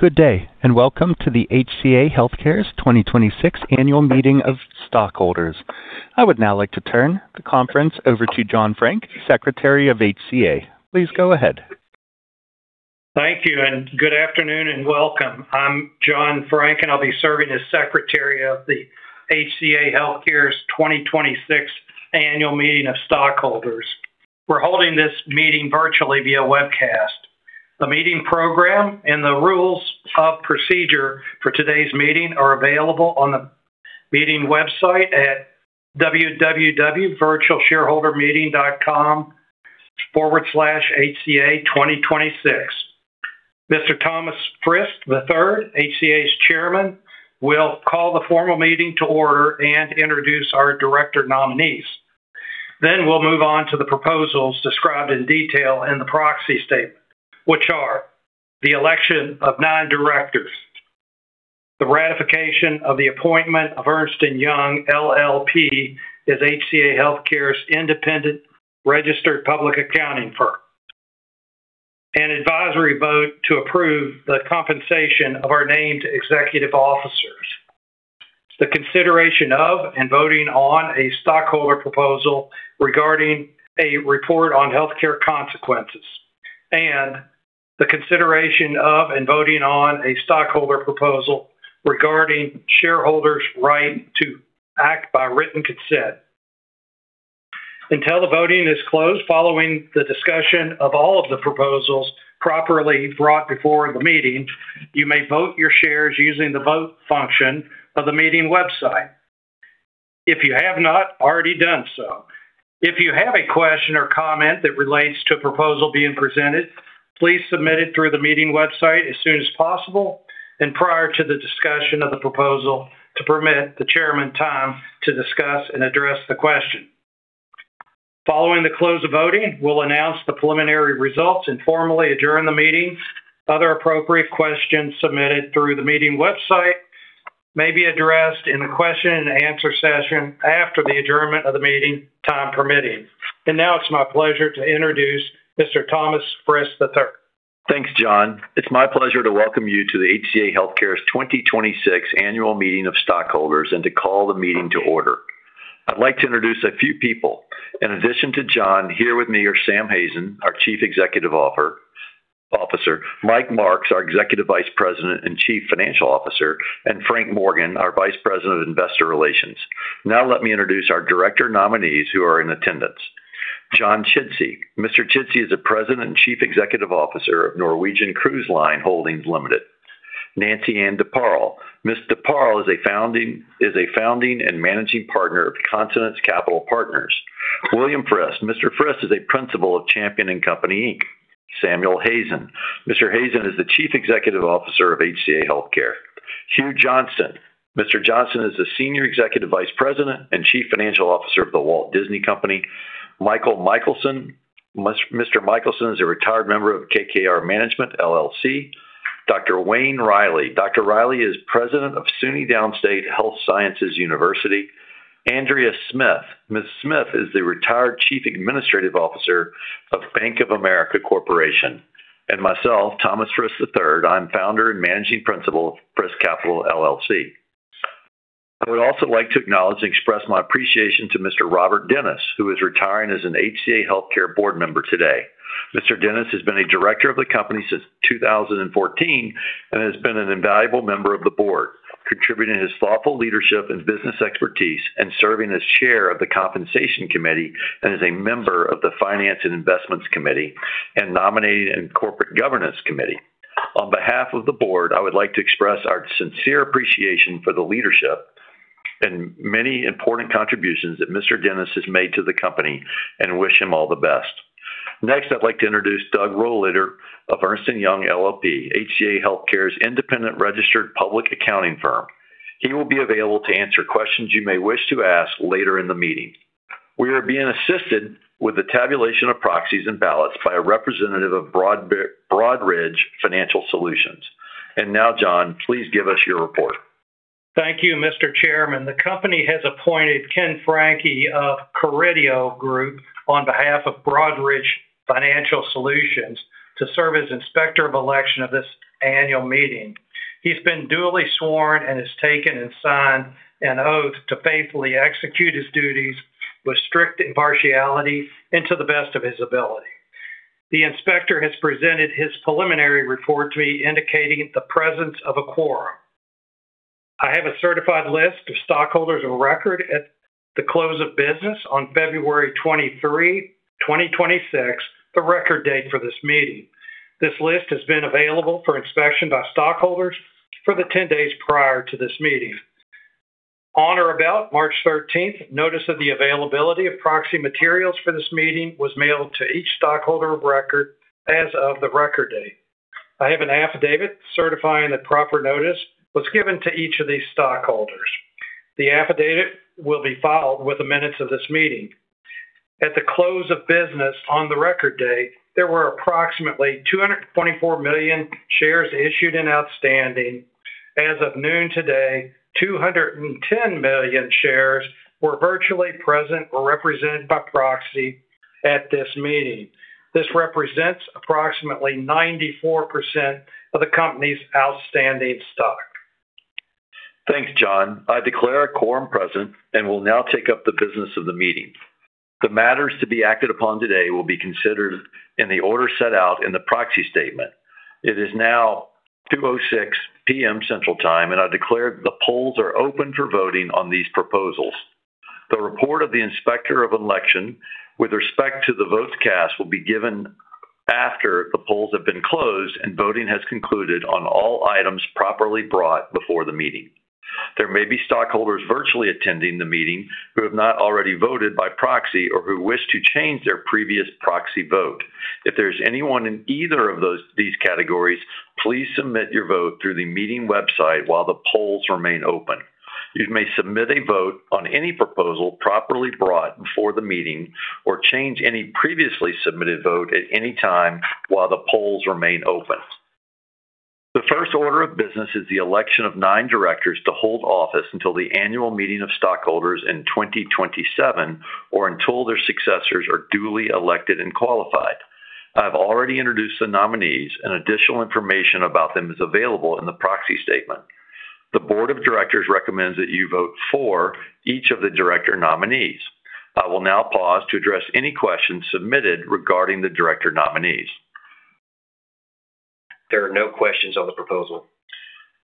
Good day, and welcome to the HCA Healthcare's 2026 Annual Meeting of Stockholders. I would now like to turn the conference over to John Franck, Secretary of HCA. Please go ahead. Thank you, and good afternoon, and welcome. I'm John Franck, and I'll be serving as Secretary of the HCA Healthcare's 2026 Annual Meeting of Stockholders. We're holding this meeting virtually via webcast. The meeting program and the rules of procedure for today's meeting are available on the meeting website at www.virtualshareholdermeeting.com/HCA2026. Mr. Thomas Frist, III, HCA's Chairman, will call the formal meeting to order and introduce our director nominees. We'll move on to the proposals described in detail in the proxy statement, which are the election of nine directors, the ratification of the appointment of Ernst & Young LLP as HCA Healthcare's independent registered public accounting firm, an advisory vote to approve the compensation of our named executive officers, the consideration of and voting on a stockholder proposal regarding a report on healthcare consequences, and the consideration of and voting on a stockholder proposal regarding shareholders' right to act by written consent. Until the voting is closed following the discussion of all of the proposals properly brought before the meeting, you may vote your shares using the vote function of the meeting website, if you have not already done so. If you have a question or comment that relates to a proposal being presented, please submit it through the meeting website as soon as possible and prior to the discussion of the proposal to permit the chairman time to discuss and address the question. Following the close of voting, we'll announce the preliminary results and formally adjourn the meeting. Other appropriate questions submitted through the meeting website may be addressed in the question and answer session after the adjournment of the meeting, time permitting. Now it's my pleasure to introduce Mr. Thomas Frist, III. Thanks, John. It's my pleasure to welcome you to the HCA Healthcare's 2026 Annual Meeting of Stockholders and to call the meeting to order. I'd like to introduce a few people. In addition to John, here with me are Sam Hazen, our Chief Executive Officer, Mike Marks, our Executive Vice President and Chief Financial Officer, and Frank Morgan, our Vice President of Investor Relations. Now let me introduce our director nominees who are in attendance. John Chidsey. Mr. Chidsey is the President and Chief Executive Officer of Norwegian Cruise Line Holdings Limited. Nancy-Ann DeParle. Ms. DeParle is a founding and managing partner of Consonance Capital Partners. William Frist. Mr. Frist is a principal of Champion & Company, Inc. Samuel Hazen. Mr. Hazen is the Chief Executive Officer of HCA Healthcare. Hugh Johnston. Mr. Johnston is the Senior Executive Vice President and Chief Financial Officer of The Walt Disney Company. Michael Michelson. Mr. Michelson is a retired member of KKR Management, LLC. Dr. Wayne Riley. Dr. Riley is President of SUNY Downstate Health Sciences University. Andrea Smith. Ms. Smith is the retired Chief Administrative Officer of Bank of America Corporation. Myself, Thomas Frist, III. I'm founder and managing principal of Frist Capital, LLC. I would also like to acknowledge and express my appreciation to Mr. Robert Dennis, who is retiring as an HCA Healthcare board member today. Mr. Dennis has been a director of the company since 2014 and has been an invaluable member of the board, contributing his thoughtful leadership and business expertise and serving as chair of the Compensation Committee and as a member of the Finance and Investments Committee and Nominating and Corporate Governance Committee. On behalf of the board, I would like to express our sincere appreciation for the leadership and many important contributions that Mr. Dennis has made to the company and wish him all the best. Next, I'd like to introduce Doug Rohleder of Ernst & Young LLP, HCA Healthcare's independent registered public accounting firm. He will be available to answer questions you may wish to ask later in the meeting. We are being assisted with the tabulation of proxies and ballots by a representative of Broadridge Financial Solutions. Now, John, please give us your report. Thank you, Mr. Chairman. The company has appointed Ken Franke of Carideo Group on behalf of Broadridge Financial Solutions to serve as Inspector of Election of this annual meeting. He's been duly sworn and has taken and signed an oath to faithfully execute his duties with strict impartiality and to the best of his ability. The inspector has presented his preliminary report to me indicating the presence of a quorum. I have a certified list of stockholders of record at the close of business on February 23, 2026, the record date for this meeting. This list has been available for inspection by stockholders for the 10 days prior to this meeting. On or about March 13th, notice of the availability of proxy materials for this meeting was mailed to each stockholder of record as of the record date. I have an affidavit certifying that proper notice was given to each of these stockholders. The affidavit will be filed with the minutes of this meeting. At the close of business on the record date, there were approximately 224 million shares issued and outstanding. As of noon today, 210 million shares were virtually present or represented by proxy at this meeting. This represents approximately 94% of the company's outstanding stock. Thanks, John. I declare a quorum present and will now take up the business of the meeting. The matters to be acted upon today will be considered in the order set out in the proxy statement. It is now 2:06 P.M. Central Time, and I declare the polls are open for voting on these proposals. The report of the Inspector of Election with respect to the votes cast will be given after the polls have been closed and voting has concluded on all items properly brought before the meeting. There may be stockholders virtually attending the meeting who have not already voted by proxy or who wish to change their previous proxy vote. If there's anyone in either of these categories, please submit your vote through the meeting website while the polls remain open. You may submit a vote on any proposal properly brought before the meeting or change any previously submitted vote at any time while the polls remain open. The first order of business is the election of nine directors to hold office until the annual meeting of stockholders in 2027 or until their successors are duly elected and qualified. I've already introduced the nominees and additional information about them is available in the proxy statement. The Board of Directors recommends that you vote for each of the director nominees. I will now pause to address any questions submitted regarding the director nominees. There are no questions on the proposal.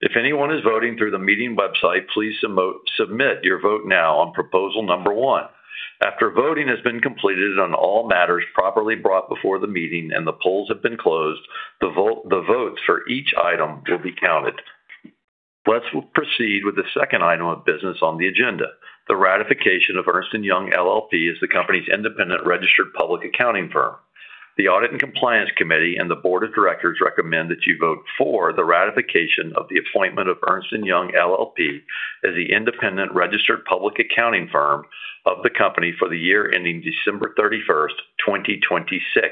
If anyone is voting through the meeting website, please submit your vote now on proposal number one. After voting has been completed on all matters properly brought before the meeting and the polls have been closed, the votes for each item will be counted. Let's proceed with the second item of business on the agenda, the ratification of Ernst & Young LLP as the company's independent registered public accounting firm. The Audit and Compliance Committee and the Board of Directors recommend that you vote for the ratification of the appointment of Ernst & Young LLP as the independent registered public accounting firm of the company for the year ending December 31st, 2026.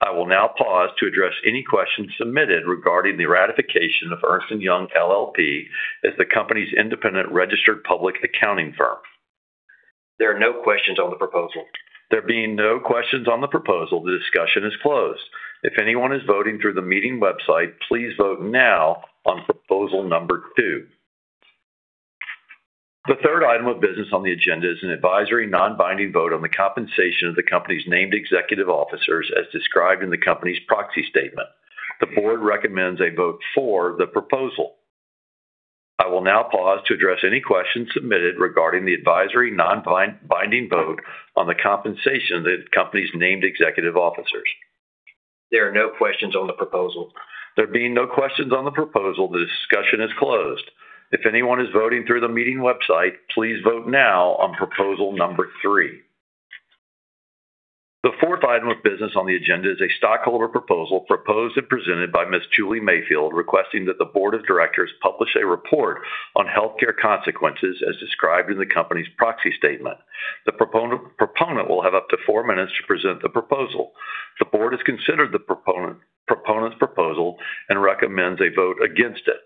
I will now pause to address any questions submitted regarding the ratification of Ernst & Young LLP as the company's independent registered public accounting firm. There are no questions on the proposal. There being no questions on the proposal, the discussion is closed. If anyone is voting through the meeting website, please vote now on proposal number two. The third item of business on the agenda is an advisory non-binding vote on the compensation of the company's named executive officers as described in the company's proxy statement. The board recommends a vote for the proposal. I will now pause to address any questions submitted regarding the advisory non-binding vote on the compensation of the company's named executive officers. There are no questions on the proposal. There being no questions on the proposal, the discussion is closed. If anyone is voting through the meeting website, please vote now on proposal number three. The fourth item of business on the agenda is a stockholder proposal proposed and presented by Ms. Julie Mayfield, requesting that the board of directors publish a report on healthcare consequences as described in the company's proxy statement. The proponent will have up to four minutes to present the proposal. The board has considered the proponent's proposal and recommends a vote against it.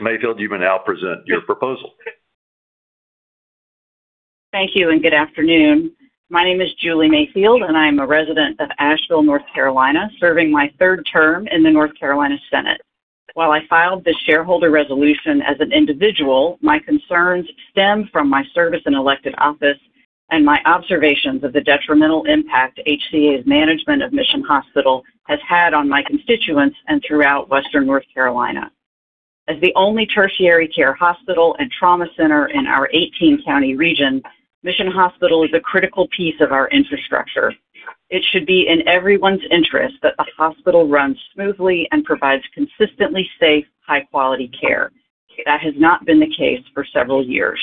Ms. Mayfield, you may now present your proposal. Thank you and good afternoon. My name is Julie Mayfield, and I am a resident of Asheville, North Carolina, serving my third term in the North Carolina Senate. While I filed this shareholder resolution as an individual, my concerns stem from my service in elected office and my observations of the detrimental impact HCA's management of Mission Hospital has had on my constituents and throughout western North Carolina. As the only tertiary care hospital and trauma center in our 18-county region, Mission Hospital is a critical piece of our infrastructure. It should be in everyone's interest that the hospital runs smoothly and provides consistently safe, high-quality care. That has not been the case for several years.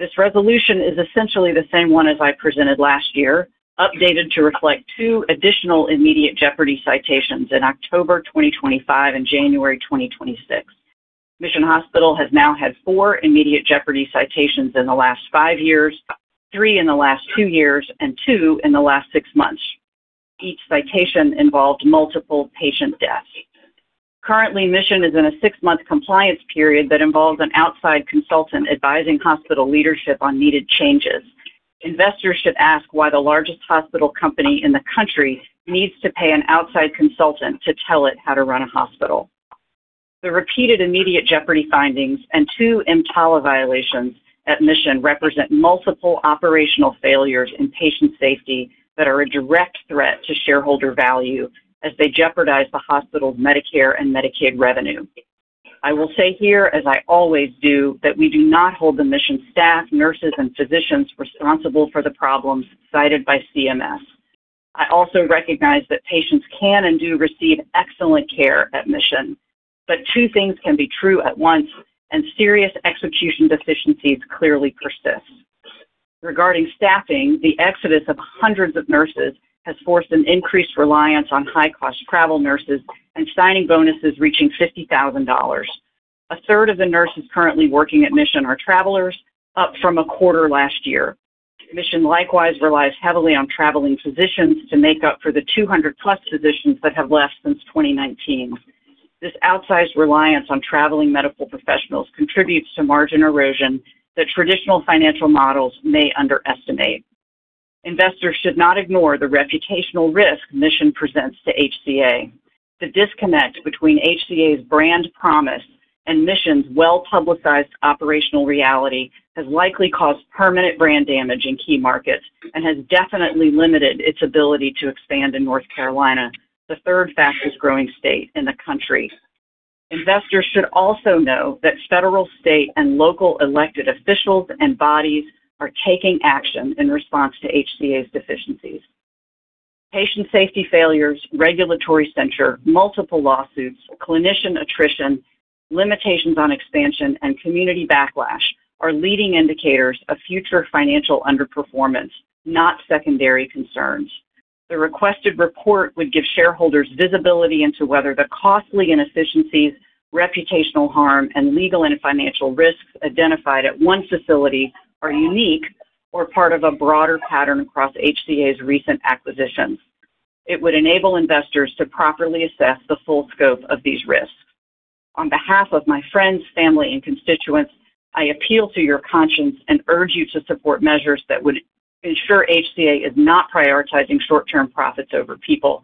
This resolution is essentially the same one as I presented last year, updated to reflect two additional immediate jeopardy citations in October 2025 and January 2026. Mission Hospital has now had four immediate jeopardy citations in the last five years, three in the last two years, and two in the last six months. Each citation involved multiple patient deaths. Currently, Mission is in a six month compliance period that involves an outside consultant advising hospital leadership on needed changes. Investors should ask why the largest hospital company in the country needs to pay an outside consultant to tell it how to run a hospital. The repeated immediate jeopardy findings and two EMTALA violations at Mission represent multiple operational failures in patient safety that are a direct threat to shareholder value as they jeopardize the hospital's Medicare and Medicaid revenue. I will say here, as I always do, that we do not hold the Mission staff, nurses, and physicians responsible for the problems cited by CMS. I also recognize that patients can and do receive excellent care at Mission, but two things can be true at once, and serious execution deficiencies clearly persist. Regarding staffing, the exodus of hundreds of nurses has forced an increased reliance on high-cost travel nurses and signing bonuses reaching $50,000. A third of the nurses currently working at Mission are travelers, up from a quarter last year. Mission likewise relies heavily on traveling physicians to make up for the 200-plus physicians that have left since 2019. This outsized reliance on traveling medical professionals contributes to margin erosion that traditional financial models may underestimate. Investors should not ignore the reputational risk Mission presents to HCA. The disconnect between HCA's brand promise and Mission's well-publicized operational reality has likely caused permanent brand damage in key markets and has definitely limited its ability to expand in North Carolina, the third fastest-growing state in the country. Investors should also know that federal, state, and local elected officials and bodies are taking action in response to HCA's deficiencies. Patient safety failures, regulatory censure, multiple lawsuits, clinician attrition, limitations on expansion, and community backlash are leading indicators of future financial underperformance, not secondary concerns. The requested report would give shareholders visibility into whether the costly inefficiencies, reputational harm, and legal and financial risks identified at one facility are unique or part of a broader pattern across HCA's recent acquisitions. It would enable investors to properly assess the full scope of these risks. On behalf of my friends, family, and constituents, I appeal to your conscience and urge you to support measures that would ensure HCA is not prioritizing short-term profits over people.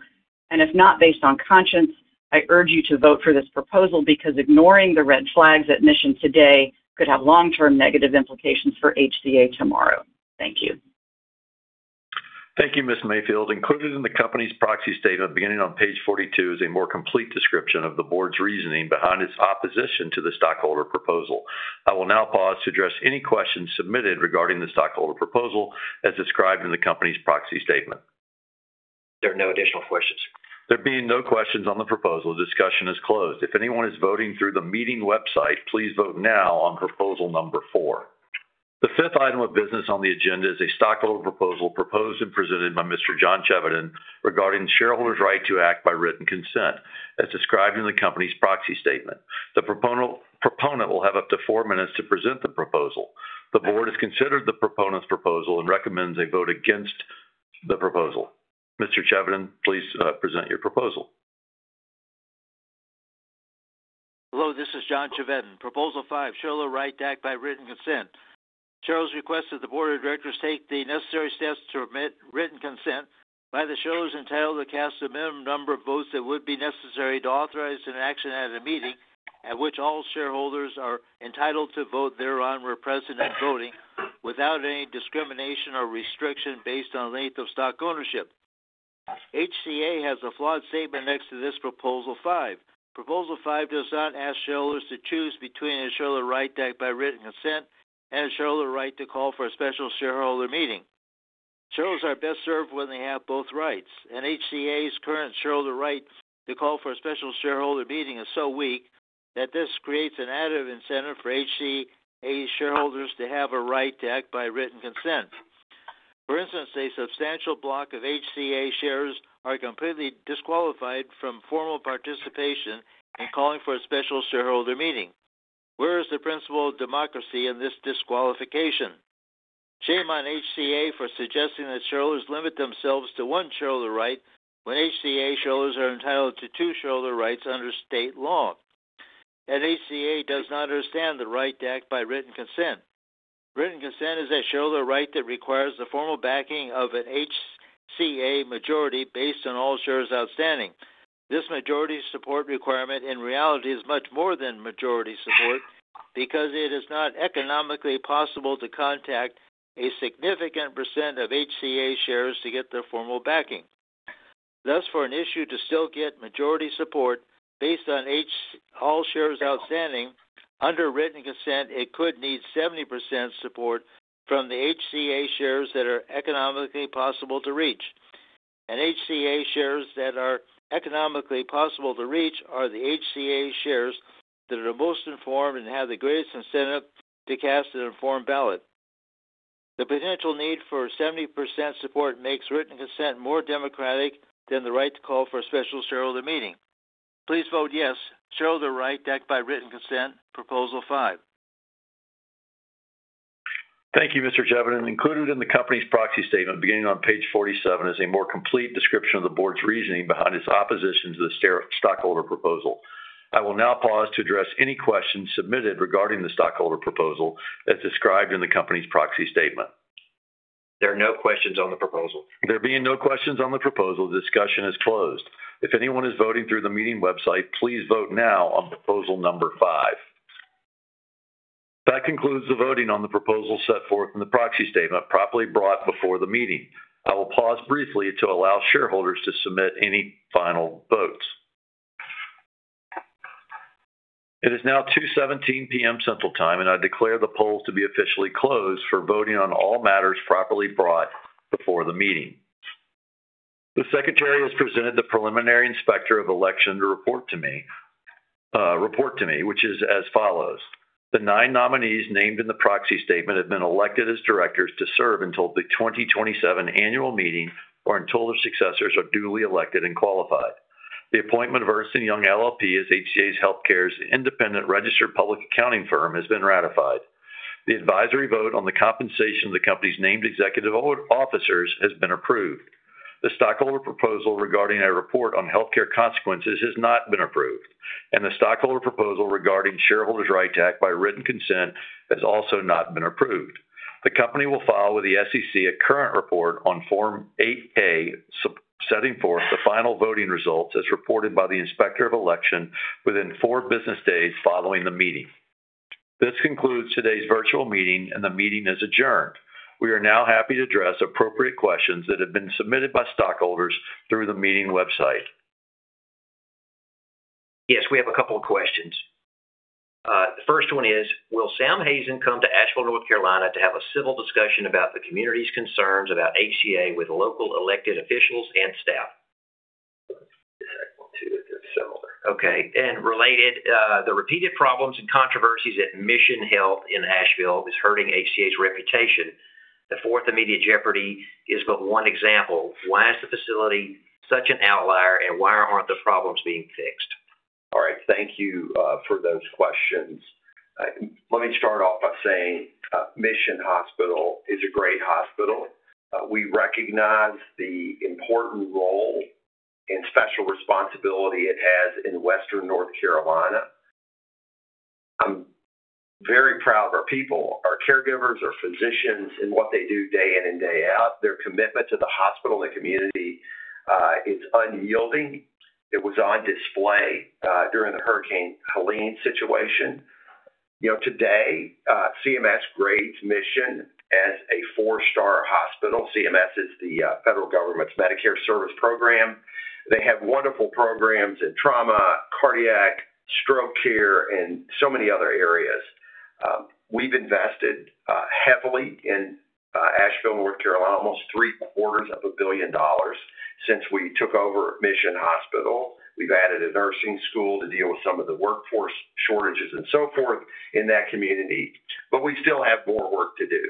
If not based on conscience, I urge you to vote for this proposal because ignoring the red flags at Mission today could have long-term negative implications for HCA tomorrow. Thank you. Thank you, Ms. Mayfield. Included in the company's proxy statement beginning on page 42 is a more complete description of the board's reasoning behind its opposition to the stockholder proposal. I will now pause to address any questions submitted regarding the stockholder proposal as described in the company's proxy statement. There are no additional questions. There being no questions on the proposal, discussion is closed. If anyone is voting through the meeting website, please vote now on proposal number four. The fifth item of business on the agenda is a stockholder proposal proposed and presented by Mr. John Chevedden regarding the shareholder's right to act by written consent as described in the company's proxy statement. The proponent will have up to four minutes to present the proposal. The board has considered the proponent's proposal and recommends a vote against the proposal. Mr. Chevedden, please present your proposal. Hello, this is John Chevedden. Proposal five, shareholder right to act by written consent. Shareholders request that the board of directors take the necessary steps to permit written consent by the shareholders entitled to cast the minimum number of votes that would be necessary to authorize an action at a meeting, at which all shareholders are entitled to vote thereon were present at voting without any discrimination or restriction based on length of stock ownership. HCA has a flawed statement next to this Proposal five. Proposal five does not ask shareholders to choose between a shareholder right to act by written consent and a shareholder right to call for a special shareholder meeting. Shareholders are best served when they have both rights. HCA's current shareholder right to call for a special shareholder meeting is so weak that this creates an added incentive for HCA shareholders to have a right to act by written consent. For instance, a substantial block of HCA shares are completely disqualified from formal participation in calling for a special shareholder meeting. Where is the principle of democracy in this disqualification? Shame on HCA for suggesting that shareholders limit themselves to one shareholder right when HCA shareholders are entitled to two shareholder rights under state law. HCA does not understand the right to act by written consent. Written consent is a shareholder right that requires the formal backing of an HCA majority based on all shares outstanding. This majority support requirement, in reality, is much more than majority support because it is not economically possible to contact a significant percent of HCA shares to get their formal backing. Thus, for an issue to still get majority support based on all shares outstanding, under a written consent, it could need 70% support from the HCA shares that are economically possible to reach. HCA shares that are economically possible to reach are the HCA shares that are the most informed and have the greatest incentive to cast an informed ballot. The potential need for 70% support makes written consent more democratic than the right to call for a special shareholder meeting. Please vote yes. Shareholder right to act by written consent, proposal five. Thank you, Mr. Chevedden. Included in the company's proxy statement beginning on page 47 is a more complete description of the board's reasoning behind its opposition to the stockholder proposal. I will now pause to address any questions submitted regarding the stockholder proposal as described in the company's proxy statement. There are no questions on the proposal. There being no questions on the proposal, discussion is closed. If anyone is voting through the meeting website, please vote now on proposal number five. That concludes the voting on the proposal set forth in the proxy statement properly brought before the meeting. I will pause briefly to allow shareholders to submit any final votes. It is now 2:17 P.M. Central Time, and I declare the polls to be officially closed for voting on all matters properly brought before the meeting. The secretary has presented the preliminary report of the inspector of election to me, which is as follows. The nine nominees named in the proxy statement have been elected as directors to serve until the 2027 annual meeting or until their successors are duly elected and qualified. The appointment of Ernst & Young LLP as HCA Healthcare's independent registered public accounting firm has been ratified. The advisory vote on the compensation of the company's named executive officers has been approved. The stockholder proposal regarding a report on healthcare consequences has not been approved, and the stockholder proposal regarding shareholders' right to act by written consent has also not been approved. The company will file with the SEC a current report on Form 8-K, setting forth the final voting results as reported by the Inspector of Election within four business days following the meeting. This concludes today's virtual meeting and the meeting is adjourned. We are now happy to address appropriate questions that have been submitted by stockholders through the meeting website. Yes, we have a couple of questions. The first one is: Will Sam Hazen come to Asheville, North Carolina, to have a civil discussion about the community's concerns about HCA with local elected officials and staff? Let me take this one too, it's similar. Okay. Related, the repeated problems and controversies at Mission Health in Asheville is hurting HCA's reputation. The fourth immediate jeopardy is but one example. Why is the facility such an outlier, and why aren't the problems being fixed? All right. Thank you for those questions. Let me start off by saying Mission Hospital is a great hospital. We recognize the important role and special responsibility it has in Western North Carolina. I'm very proud of our people, our caregivers, our physicians, and what they do day in and day out. Their commitment to the hospital and the community is unyielding. It was on display during the Hurricane Helene situation. Today, CMS grades Mission as a four-star hospital. CMS is the federal government's Centers for Medicare and Medicaid Services. They have wonderful programs in trauma, cardiac, stroke care, and so many other areas. We've invested heavily in Asheville, North Carolina, almost three-quarters of a billion dollars since we took over Mission Hospital. We've added a nursing school to deal with some of the workforce shortages and so forth in that community, but we still have more work to do.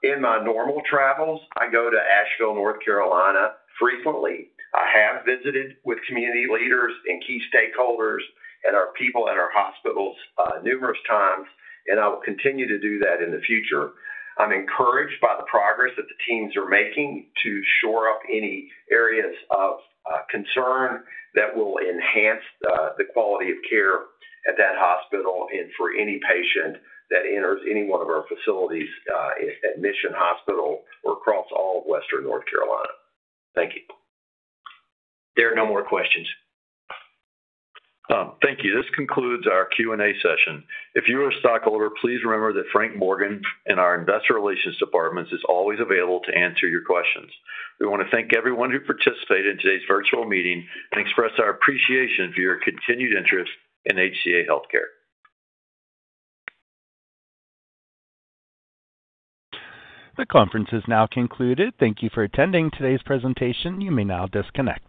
In my normal travels, I go to Asheville, North Carolina, frequently. I have visited with community leaders and key stakeholders and our people at our hospitals numerous times, and I will continue to do that in the future. I'm encouraged by the progress that the teams are making to shore up any areas of concern that will enhance the quality of care at that hospital and for any patient that enters any one of our facilities at Mission Hospital or across all of western North Carolina. Thank you. There are no more questions. Thank you. This concludes our Q&A session. If you are a stockholder, please remember that Frank Morgan and our investor relations department is always available to answer your questions. We want to thank everyone who participated in today's virtual meeting and express our appreciation for your continued interest in HCA Healthcare. The conference is now concluded. Thank you for attending today's presentation. You may now disconnect.